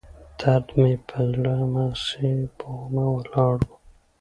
درد مې پر زړه هماغسې بوغمه ولاړ و.